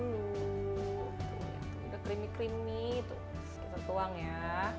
udah creamy creamy kita tuang ya